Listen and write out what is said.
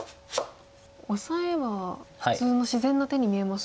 オサエは普通の自然な手に見えますが。